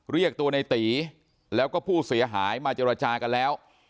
เรียกตัวในตีแล้วก็ผู้เสียหายมาเจรจากันแล้ว